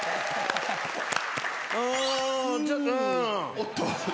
おっと？